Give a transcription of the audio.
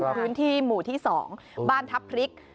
ครับพื้นที่หมู่ที่สองบ้านทับพริก